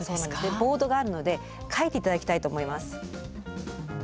ボードがあるので書いていただきたいと思います。